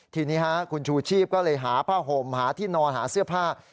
ทีนี้คุณชูชีพก็เลยหาผ้าห่มหาที่นอนหาเสื้อผ้า